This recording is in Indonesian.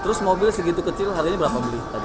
terus mobil segitu kecil harganya berapa beli tadi